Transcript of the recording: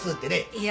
いや。